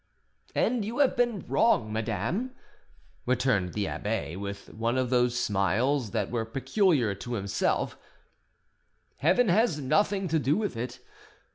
"And you have been wrong, madame," returned the abbe, with one of those smiles that were peculiar to himself; "Heaven has nothing to do with it.